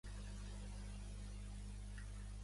El clima de la zona és idèntic al de la plana indogangètica.